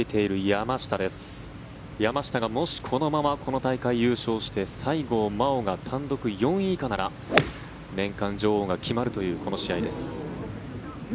山下がもしこのままこの大会優勝して西郷真央が単独４位以下なら年間女王が決まるというこの試合です。